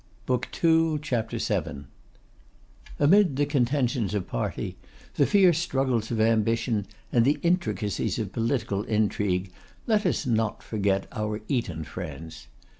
Amid the contentions of party, the fierce struggles of ambition, and the intricacies of political intrigue, let us not forget our Eton friends.